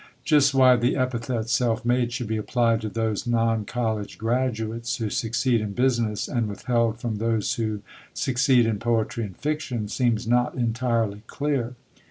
Just why the epithet "self made" should be applied to those non college graduates who succeed in business, and withheld from those who succeed in poetry and fiction, seems not entirely clear.